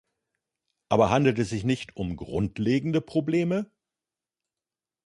Aber handelt es sich nicht um grundlegende Probleme?